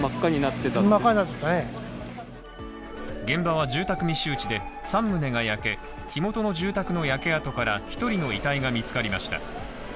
現場は住宅密集地で、３棟が焼け、火元の住宅の焼け跡から１人の遺体が見つかりました。